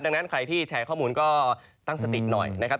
ดังนั้นใครที่แชร์ข้อมูลก็ตั้งสติหน่อยนะครับ